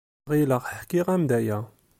Ɣileɣ ḥkiɣ-am-d aya.